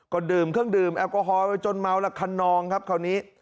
ก็ดื่มเครื่องดื่มแอลกอฮอลไปจนเมาละคันนองครับคราวนี้